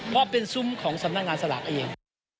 เพราะเป็นซุ้มของสำนักงานสลากเอง